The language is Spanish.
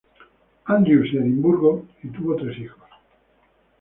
Andrews y Edimburgo, y tuvo tres hijos.